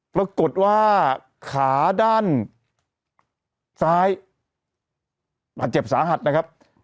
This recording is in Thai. ปรากฏว่าขาด้านซ้ายบาดเจ็บสาหัสนะครับ